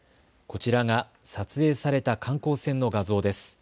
こちらが撮影された観光船の画像です。